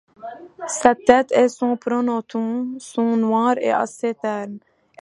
Sa tête et son pronotum sont noir et assez ternes.